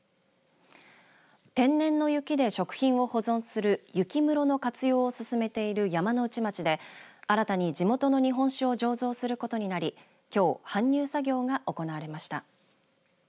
天然の雪で食品を保存する雪室の活用を進めている山ノ内町で新たに地元の日本酒を醸造することになりきょう搬入作業が行われました。